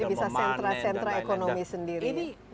jadi bisa sentra sentra ekonomi sendiri